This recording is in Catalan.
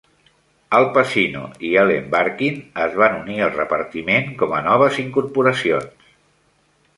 Al Pacino i Ellen Barkin es van unir al repartiment com a noves incorporacions.